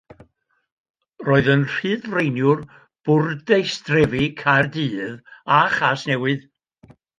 Roedd yn Rhyddfreiniwr bwrdeistrefi Caerdydd a Chasnewydd.